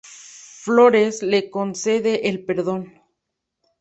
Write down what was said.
Flores les concede el perdón.